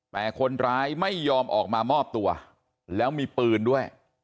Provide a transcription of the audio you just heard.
แต่คนร้ายไม่ยอมออกมามอบตัวแล้วมีปืนด้วย